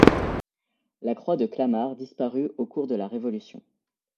La croix de Clamart disparut au cours de la Révolution.